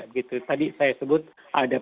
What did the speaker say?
gitu tadi saya sebut ada